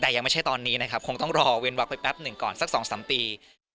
แต่ยังไม่ใช่ตอนนี้นะครับคงต้องรอเว้นวักไปแป๊บหนึ่งก่อนสัก๒๓ปี